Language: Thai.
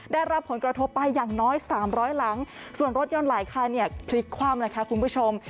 ได้รับผลกระทบไปอย่างน้อย๓๐๐หลังส่วนรถยนต์หลายคันเนี่ยพลิกคว่ำนะคะคุณผู้ชม